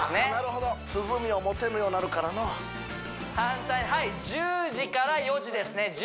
あなるほど鼓を持てぬようなるからの反対はい１０時から４時ですね